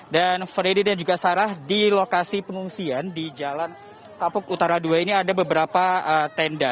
dan freddy dan juga sarah di lokasi pengungsian di jalan kapuk utara dua ini ada beberapa tenda